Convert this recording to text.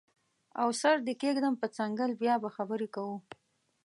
او سر دې کیږدم په څنګل بیا به خبرې کوو